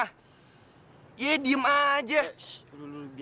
asal kamu berbicara sadis